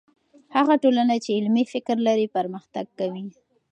هغه ټولنه چې علمي فکر لري، پرمختګ کوي.